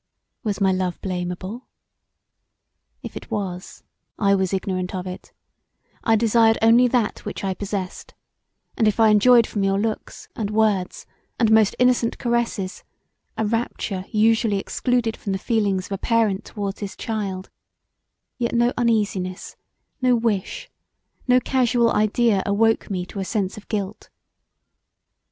Was my love blamable? If it was I was ignorant of it; I desired only that which I possessed, and if I enjoyed from your looks, and words, and most innocent caresses a rapture usually excluded from the feelings of a parent towards his child, yet no uneasiness, no wish, no casual idea awoke me to a sense of guilt.